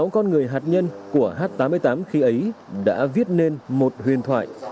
sáu con người hạt nhân của h tám mươi tám khi ấy đã viết nên một huyền thoại